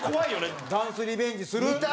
蛍原：ダンスリベンジする？